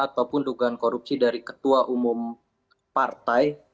ataupun dugaan korupsi dari ketua umum partai